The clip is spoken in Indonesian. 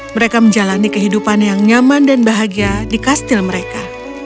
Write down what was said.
mereka menjalani kehidupan yang nyaman dan bahagia di kastil mereka